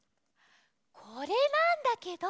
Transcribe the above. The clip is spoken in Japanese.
これなんだけど。